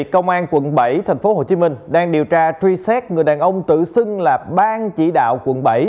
ban quận bảy thành phố hồ chí minh đang điều tra truy xét người đàn ông tự xưng là ban chỉ đạo quận bảy